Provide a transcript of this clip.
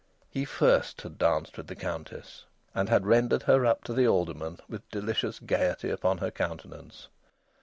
He first had danced with the Countess, and had rendered her up to the alderman with delicious gaiety upon her countenance.